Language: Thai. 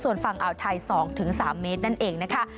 ส่วนฝั่งอ่าวไทย๒๓เมตรนั่นเองนะคะ